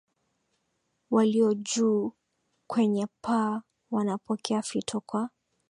walio juu kwenye paa wanapokea fito kwa